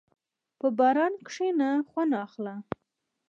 په باران کښېنه، خوند اخله.